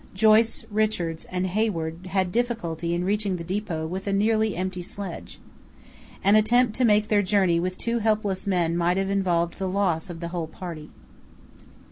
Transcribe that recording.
Joyce, Richards, and Hayward had difficulty in reaching the depot with a nearly empty sledge. An attempt to make their journey with two helpless men might have involved the loss of the whole party.